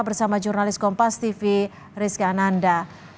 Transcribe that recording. bersama jurnalis kompas tv rizka ananda